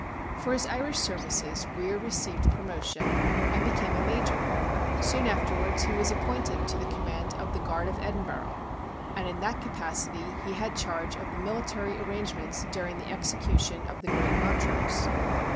For his Irish services Weir received promotion, and became a major. Soon afterwards he was appointed to the command of the ' Guard of Edinburgh,' and in that capacity he had charge of the military arrangements during the execution of the great Montrose.